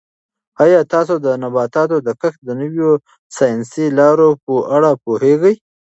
آیا تاسو د نباتاتو د کښت د نویو ساینسي لارو په اړه پوهېږئ؟